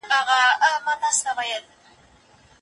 په لاس لیکلنه د روښانه او پرمختللي ژوند پیلامه ده.